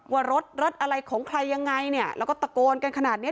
ว่ารถรถอะไรของใครยังไงเนี่ยแล้วก็ตะโกนกันขนาดเนี้ย